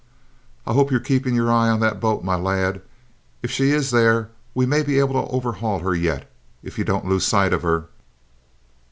"I hope you're keeping your eye on that boat, my lad. If she is there we may be able to overhaul her yet, if you don't lose sight of her!"